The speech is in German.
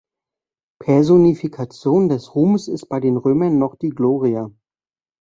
Personifikation des Ruhmes ist bei den Römern noch die Gloria.